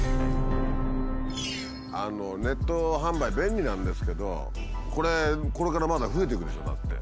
ネット販売便利なんですけどこれこれからまだ増えていくでしょう？だって。